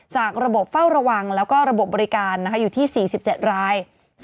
จากระบบเฝ้าระวังแล้วก็ระบบบบริการอยู่ที่๔๗ราย